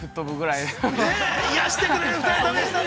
◆いやしてくれる２人でしたね。